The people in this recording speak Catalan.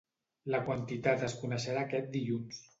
La quantitat es coneixerà aquest dilluns.